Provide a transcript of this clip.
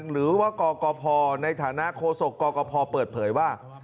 หรือว่ากกพในฐานะโคศกกภเปิดเผยว่า